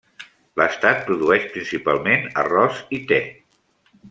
L'estat produeix principalment arròs i te.